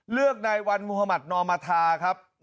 เลือกในวันมหมาตนอมธาครับ